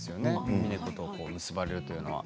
みね子と結ばれるというのは。